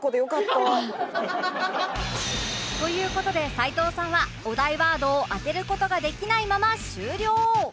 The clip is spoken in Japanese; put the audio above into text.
という事で齊藤さんはお題ワードを当てる事ができないまま終了